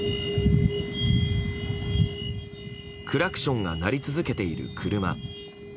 クラクションが鳴り続けている車。